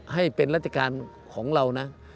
ให้เป็นราชการของเรานะ